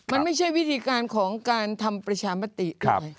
มันไม่ใช่วิธีการของการทำประชามติทำไม